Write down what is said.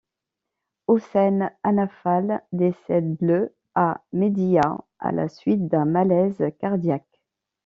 Houssaine Anafal décède le à Mehdia à la suite d'un malaise cardiaque.